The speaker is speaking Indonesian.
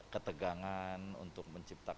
ketegangan untuk menciptakan